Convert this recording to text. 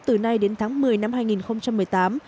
từ nay đến tháng một mươi năm hai nghìn một mươi tám